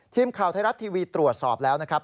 ทีมข่าวไทยรัฐทีวีตรวจสอบแล้วนะครับ